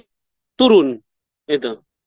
dan itu sudah turun